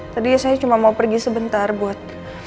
tadi saya cuma mau pergi sebentar buat